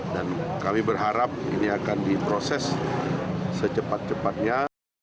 dan kami berharap ini akan diproses secepat cepatnya